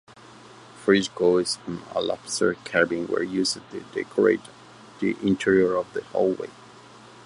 Frescoes and alabaster carvings were used to decorate the interior of the hallway.